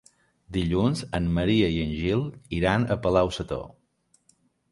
Dilluns en Maria i en Gil iran a Palau-sator.